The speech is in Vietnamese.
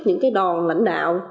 những đòn lãnh đạo